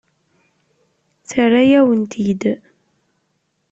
Terra-yawen-t-id.